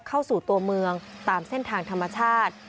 เข้าสู่ตัวเมืองตามเส้นทางธรรมชาติ